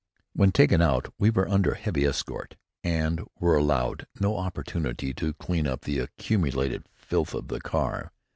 When taken out we were under heavy escort and were allowed no opportunity to clean up the accumulated filth of the car.